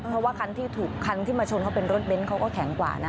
เพราะว่าคันที่ถูกคันที่มาชนเขาเป็นรถเบนท์เขาก็แข็งกว่านะ